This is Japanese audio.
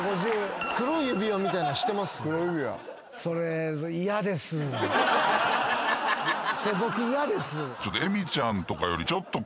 それ僕嫌です。